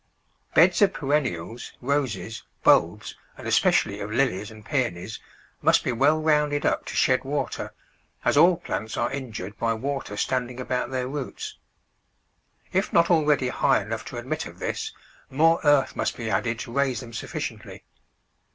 Beds of perennials, Roses, bulbs, and especially of Lilies and Peonies, must be well rounded up to shed water, as all plants are injured by water standing about their roots. If not already high enough to admit of this, more earth must be added to raise them sufficiently.